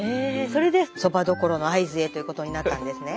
それでそばどころの会津へということになったんですね。